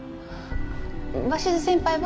鷲頭先輩は？